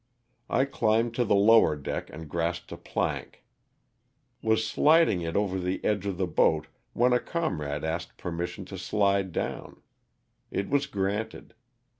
I climbed to the lower deck and grasped a plank. Was sliding it over the edge of the boat when a comrade asked per mission to slide down. It was granted.